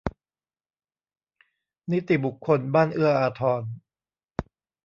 นิติบุคคลบ้านเอื้ออาทร